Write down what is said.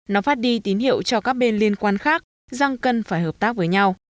nó phát đi tín hiệu cho các bên liên quan khác rằng cần phải hợp tác với nhau